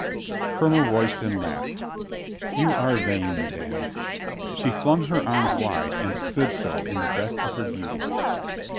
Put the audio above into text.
Colonel Royston laughed. "You are vain, ma dame." She flung her arms wide and stood so in the best of her beauty.